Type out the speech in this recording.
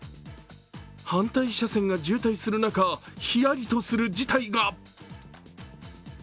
反対車線が渋滞する中ヒヤリとする事態が。